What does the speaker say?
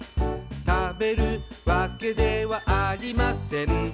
「食べるわけではありません」